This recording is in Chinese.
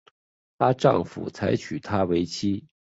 她丈夫才娶她为妻